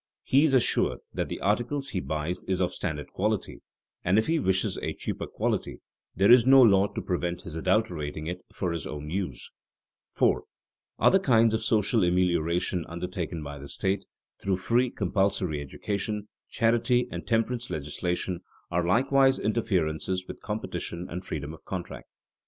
He is assured that the article he buys is of standard quality, and if he wishes a cheaper quality there is no law to prevent his adulterating it for his own use. [Sidenote: State support of education] 4. _Other kinds of social amelioration undertaken by the state, through free, compulsory education, charity, and temperance legislation, are likewise interferences with competition and freedom of contract.